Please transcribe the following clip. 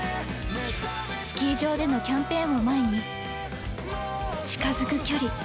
スキー場でのキャンペーンを前に近づく距離。